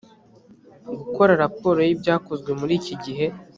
gukora raporo y‘ibyakozwe ku gihe